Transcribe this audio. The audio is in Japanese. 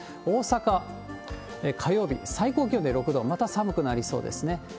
大阪、火曜日、最高気温で６度、また寒くなりそうですね。